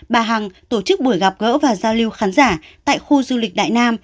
bà hằng tổ chức buổi gặp gỡ và giao lưu khán giả tại khu du lịch đại nam